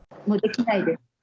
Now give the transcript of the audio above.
もうできないです。